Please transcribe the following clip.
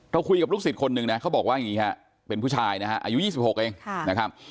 คุยกับลูกศิษย์คนหนึ่งนะเขาบอกว่าอย่างนี้ฮะเป็นผู้ชายนะฮะอายุ๒๖เองนะครับ